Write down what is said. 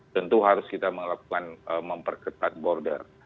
tentu harus kita melakukan memperketat border